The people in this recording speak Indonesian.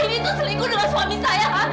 aini itu selingkuh dengan suami saya hah